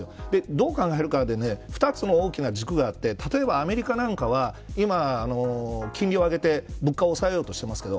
どう考えるかで２つの大きな軸があって例えばアメリカなんかでは今、金利を上げて物価を下げようとしてますけど。